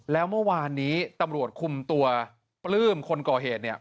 แล้วเมื่อวานนี้ตำรวจคุมตัวปลื้มคนก่อเหตุเนี่ย